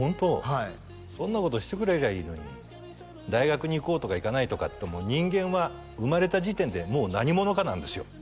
はいそんなことしてくりゃいいのに大学に行こうとか行かないとかって人間は生まれた時点でもう何者かなんですよ